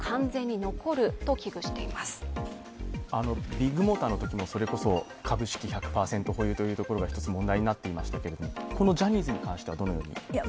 ビッグモーターのときもそれこそ株式１００％保有というところが一つ問題になっていましたがこのジャニーズに関してはどのように感じますか？